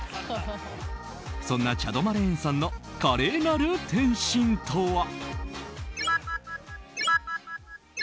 そんなチャド・マレーンさんの華麗なる転身とは。